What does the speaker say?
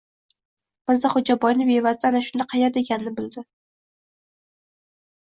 Mirzaxo‘jaboyni bevasi ana shunda qaerda ekanini bildi.